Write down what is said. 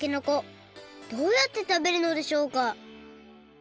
どうやってたべるのでしょうか？